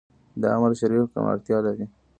دا عمل شرعي حکم اړتیا لري